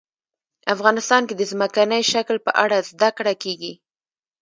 افغانستان کې د ځمکنی شکل په اړه زده کړه کېږي.